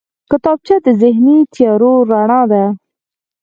کتابچه د ذهني تیارو رڼا ده